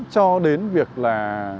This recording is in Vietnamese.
cho đến việc là